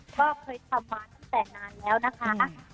ก็เคยทำมาตั้งแต่นานแล้วนะคะ